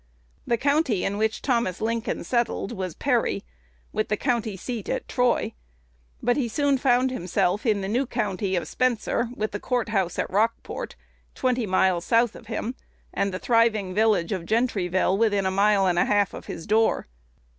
The county in which Thomas Lincoln settled was Perry, with the county seat at Troy; but he soon found himself in the new county of Spencer, with the court house at Rockport, twenty miles south of him, and the thriving village of Gentryville within a mile and a half of his door.